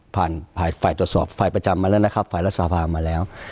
ฝ่ายฝ่ายตรวจสอบฝ่ายประจำมาแล้วนะครับฝ่ายรัฐสภามาแล้ว